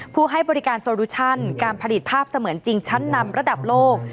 ให้บริการโซลูชั่นการผลิตภาพเสมือนจริงชั้นนำระดับโลก